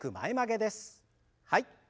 はい。